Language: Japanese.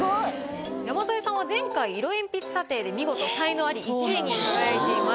山添さんは前回色鉛筆査定で見事才能アリ１位に輝いています。